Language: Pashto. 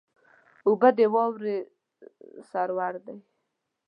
اوبه د واورې سرور دي.